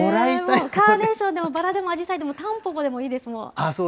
カーネーションでも、バラでも、アジサイでも、タンポポでもいいです、もう。